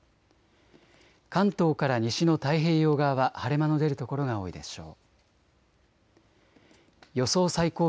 関東から西の太平洋側は晴れ間の出る所が多いでしょう。